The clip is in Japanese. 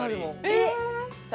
えっ？